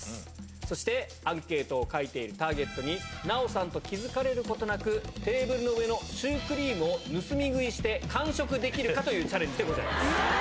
そしてアンケートを書いているターゲットに、奈緒さんと気付かれることなく、テーブルの上のシュークリームを盗み食いして、完食できるかというチャレンジでございます。